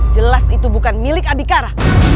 jelas itu bukan milik abikara